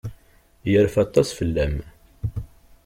Yerfa aṭas fell-am.